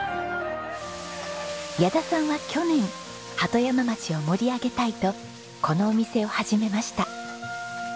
矢田さんは去年鳩山町を盛り上げたいとこのお店を始めました。